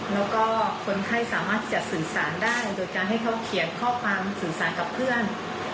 แล้วก็คนไข้สามารถจะสื่อสารได้โดยการให้เขาเขียนข้อความสื่อสารกับเพื่อน